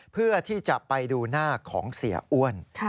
เพื่อที่จะไปดูหน้าของเสียอ้วน